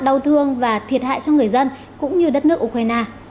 đau thương và thiệt hại cho người dân cũng như đất nước ukraine